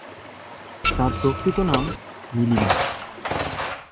তার প্রকৃত নাম নীলিমা।